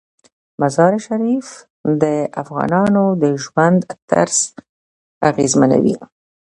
مزارشریف د افغانانو د ژوند طرز اغېزمنوي.